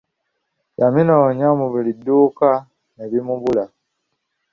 Yabinoonya mu buli dduuka ne bimubula.